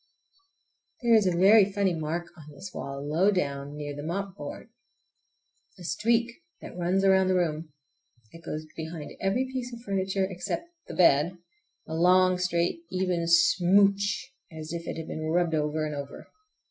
There is a very funny mark on this wall, low down, near the mopboard. A streak that runs round the room. It goes behind every piece of furniture, except the bed, a long, straight, even smooch, as if it had been rubbed over and over.